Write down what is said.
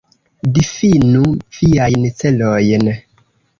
Difinu viajn celojn.